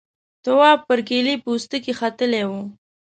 تواب پر کيلې پوستکي ختلی و.